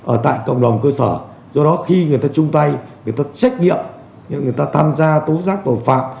ở tại cộng đồng cơ sở do đó khi người ta chung tay người ta trách nhiệm người ta tham gia tố giác tội phạm